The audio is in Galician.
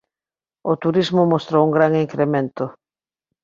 O turismo mostrou un gran incremento.